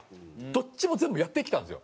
どっちも全部やってきたんですよ。